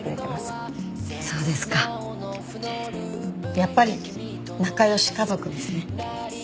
やっぱり仲良し家族ですね。